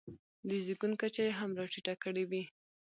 د زېږون کچه یې هم راټیټه کړې وي.